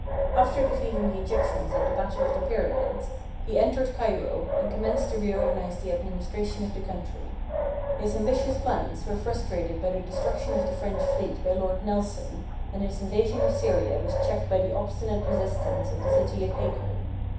After defeating the Egyptians at the battle of the Pyramids, he entered Cairo and commenced to reorganize the administration of the country. His ambitious plans were frustrated by the destruction of the French fleet by Lord Nelson, and his invasion of Syria was checked by the obstinate resistance of the city of Acre.